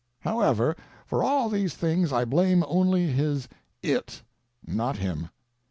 However, for all these things I blame only his It, not him.